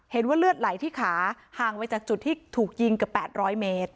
เห็นว่าเลือดไหลที่ขาห่างไว้จากจุดที่ถูกยิงกับแปดร้อยเมตร